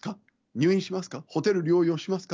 入院しますか？